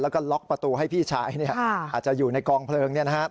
แล้วก็ล็อกประตูให้พี่ชายอาจจะอยู่ในกองเพลิง